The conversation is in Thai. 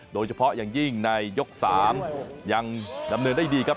โดยเฉพาะอย่างยิ่งในยก๓ยังดำเนินได้ดีครับ